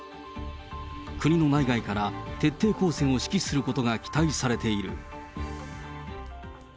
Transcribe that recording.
国の内外から、徹底抗戦を指揮することが期待されている。